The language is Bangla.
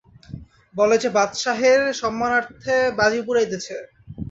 বলে যে, বাদশাহের সম্মানার্থ বাজি পুড়াইতেছে।